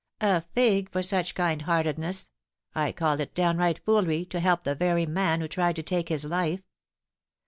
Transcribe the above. "A fig for such kind heartedness! I call it downright foolery to help the very man who tried to take his life.